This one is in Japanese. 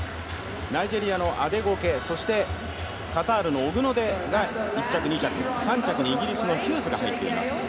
ナイジェリアのアデゴケ、カタールのオグノデが１着、２着、３着にイギリスのヒューズが入っています。